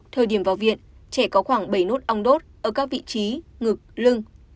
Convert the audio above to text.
thời điểm vào viện trẻ có khoảng bảy nốt ong đốt ở các vị trí ngực lưng